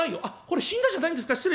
「あっこれしんだじゃないんですか？